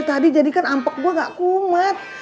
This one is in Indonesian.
tadi tadi jadikan ampek gue nggak kumat